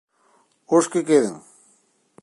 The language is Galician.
Os que queden.